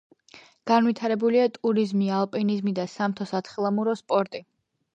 განვითარებულია ტურიზმი, ალპინიზმი და სამთო-სათხილამური სპორტი.